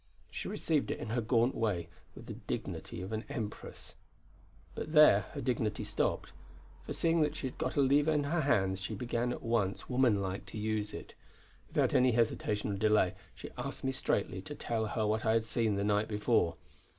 She received it in her gaunt way with the dignity of an empress. But there her dignity stopped; for seeing that she had got a lever in her hands she began at once, womanlike, to use it. Without any hesitation or delay she asked me straightly to tell her what I had seen the night before.